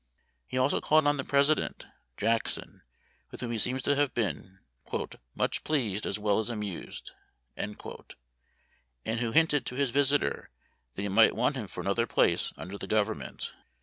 He also called on the President, (Jackson,) with whom he seems to have been "much pleased as well as amused," and who hinted to his visitor that he might want him for another place under the Government.